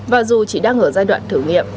và dù chỉ đang ở giai đoạn thử nghiệm